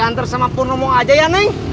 dianter sama punomong aja ya neng